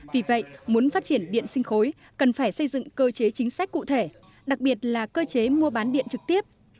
vì vậy muốn phát triển điện sinh khối cần phải xây dựng cơ chế chính sách cụ thể đặc biệt là cơ chế mua bán điện trực tiếp